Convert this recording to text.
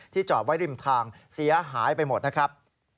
จอดไว้ริมทางเสียหายไปหมดนะครับ